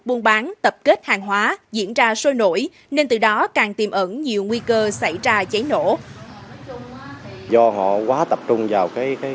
vẫn nhiều nguy cơ xảy ra cháy nổ